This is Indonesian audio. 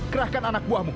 kerahkan anak buahmu